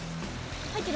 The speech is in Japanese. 入ってる？